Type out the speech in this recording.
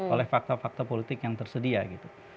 oleh fakta fakta politik yang tersedia gitu